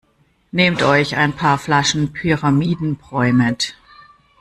Nehmt euch ein paar Flaschen Pyramidenbräu mit!